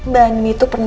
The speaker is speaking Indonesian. bani itu perangga